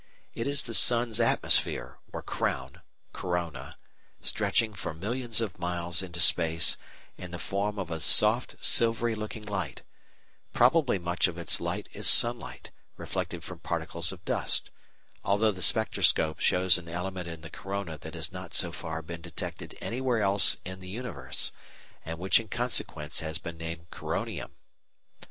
It is the sun's atmosphere, or "crown" (corona), stretching for millions of miles into space in the form of a soft silvery looking light; probably much of its light is sunlight reflected from particles of dust, although the spectroscope shows an element in the corona that has not so far been detected anywhere else in the universe and which in consequence has been named Coronium.